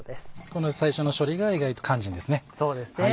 この最初の処理が意外と肝心ですね。